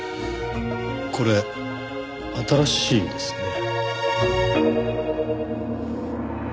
これ新しいですね。